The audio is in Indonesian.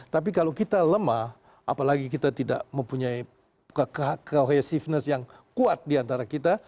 tapi kalau kita lemah apalagi kita tidak mempunyai coheciveness yang kuat diantara kita